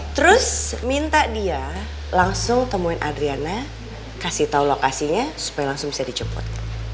terus minta dia langsung temuin adriana kasih tau lokasinya supaya langsung bisa di ceput